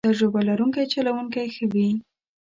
تجربه لرونکی چلوونکی ښه وي.